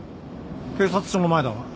警察署の前だが。